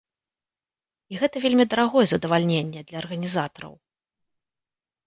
І гэта вельмі дарагое задавальненне для арганізатараў.